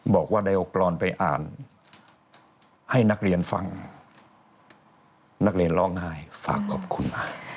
บอกว่าได้โอกาสไปอ่านให้นักเรียนฟังนักเรียนร้องไห้ฝากขอบคุณมา